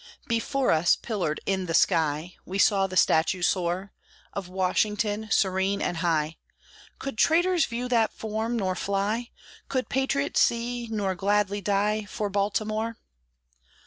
Before us, pillared in the sky, We saw the statue soar Of Washington, serene and high: Could traitors view that form, nor fly? Could patriots see, nor gladly die For Baltimore?